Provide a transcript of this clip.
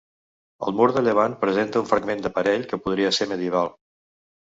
El mur de llevant presenta un fragment d'aparell que podria ser medieval.